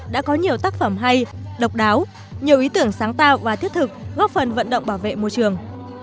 đã có nhiều tác phẩm hay độc đáo nhiều ý tưởng sáng tạo và thiết thực góp phần vận động bảo vệ môi trường